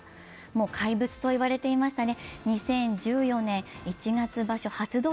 怪物と言われていましたね。